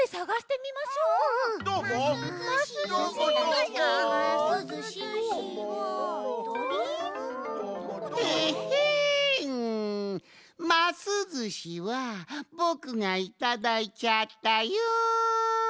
ますずしはぼくがいただいちゃったよん！